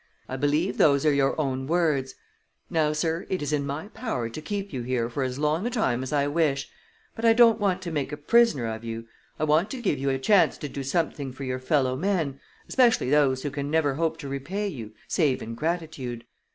I believe those are your own words. Now, sir, it is in my power to keep you here for as long a time as I wish, but I don't want to make a prisoner of you. I want to give you a chance to do something for your fellow men, especially those who can never hope to repay you save in gratitude.